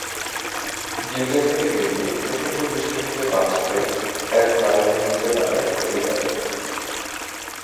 গির্জা থেকে বেরিয়ে প্রচন্ড বৃষ্টি থেকে বাঁচতে এক দালানের নিচে দাঁড়ায় এলিজাবেথ।